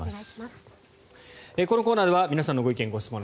このコーナーでは皆さんのご意見・ご質問